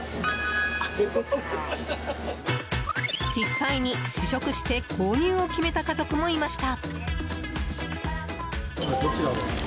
実際に、試食して購入を決めた家族もいました。